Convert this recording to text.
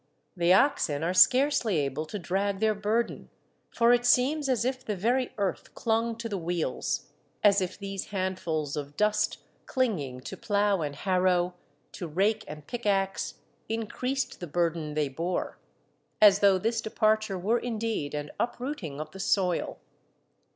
The oxen are scarcely able to drag their burden, for it seems as if the very earth clung to the wheels, as if these handfuls of dust clinging to plough and harrow, to rake and pickaxe, increased the burden they bore, — as though this departure were indeed an uprooting of the soil.